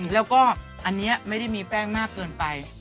แล้วก็อันนี้ไม่ได้มีแป้งมากเกินไป